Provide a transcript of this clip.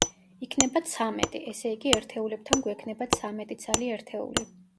იქნება ცამეტი, ესე იგი, ერთეულებთან გვექნება ცამეტი ცალი ერთეული.